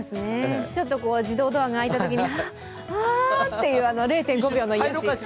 ちょっと自動ドアが開いたときにあっていう０．５秒の癒やし。